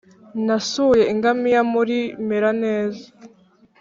Nasuye ingamiya muri meraneza